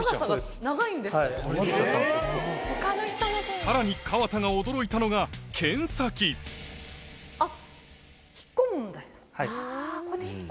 さらに川田が驚いたのがあっ。